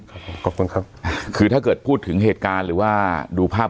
ครับผมขอบคุณครับคือถ้าเกิดพูดถึงเหตุการณ์หรือว่าดูภาพ